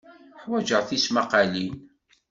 Ḥwajeɣ tismaqqalin.